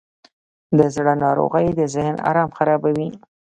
د زړه ناروغۍ د ذهن آرام خرابوي.